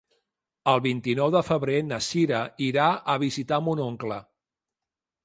El vint-i-nou de febrer na Sira irà a visitar mon oncle.